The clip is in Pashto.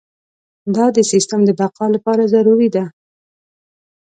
دا د سیستم د بقا لپاره ضروري ده.